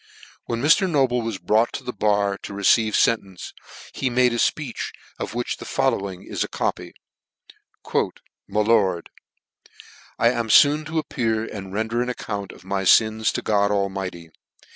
When Mr. Noble was brought to the bar to receive fentence, he made a fpeech, of which the following is a copy : My Lord, *' I am foon to appear and render an account of my fins to God Almighty.